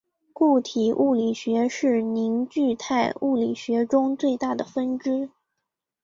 固体物理学是凝聚态物理学中最大的分支。